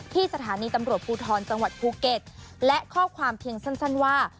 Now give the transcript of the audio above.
ที่สถานีตำรวจภูทรจังหวัดภูเก็ตและข้อความเพียงสั้นว่า